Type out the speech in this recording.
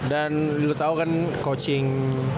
dan lu tau kan coaching